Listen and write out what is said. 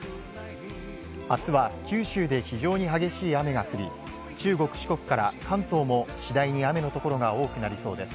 明日は九州で非常に激しい雨が降り中国・四国から関東も次第に雨のところが多くなりそうです。